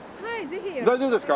大丈夫ですか？